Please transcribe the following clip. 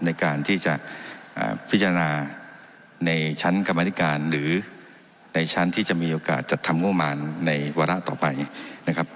ในการที่จะพิจารณาในชั้นกรรมนิการหรือในชั้นที่จะมีโอกาสจัดทำงบมารในวาระต่อไปนะครับ